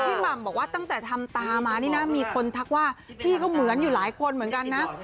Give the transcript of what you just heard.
หม่ำบอกว่าตั้งแต่ทำตามานี่นะมีคนทักว่าพี่ก็เหมือนอยู่หลายคนเหมือนกันนะ